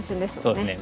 そうですね。